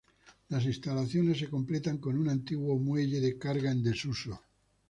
Las instalaciones se completan con un antiguo muelle de carga en desuso.